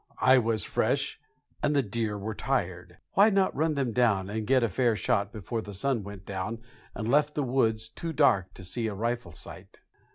I was fresh and the deer were tired, why not run them down and get a fair shot before the sun went down and left the woods too dark to see a rifle sight?